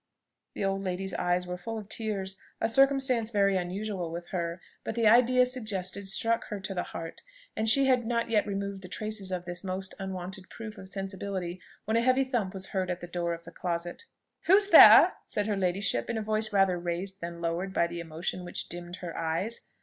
The old lady's eyes were full of tears, a circumstance very unusual with her, but the idea suggested struck her to the heart; and she had not yet removed the traces of this most unwonted proof of sensibility, when a heavy thump was heard at the door of the closet. "Who's there?" said her ladyship in a voice rather raised than lowered by the emotion which dimmed her eyes.